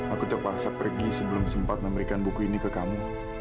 aku terpaksa pergi sebelum sempat memberikan buku ini ke kamu